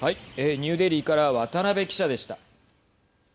ニューデリーから渡辺記者でした。